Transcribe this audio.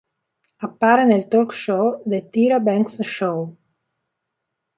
Appare nel talk show 'The Tyra Banks Show'.